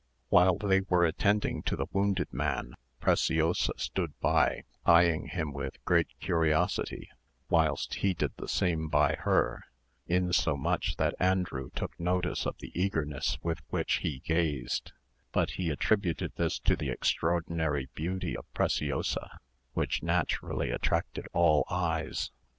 Whilst they were attending to the wounded man, Preciosa stood by, eyeing him with great curiosity, whilst he did the same by her, insomuch that Andrew took notice of the eagerness with which he gazed; but he attributed this to the extraordinary beauty of Preciosa, which naturally attracted all eyes.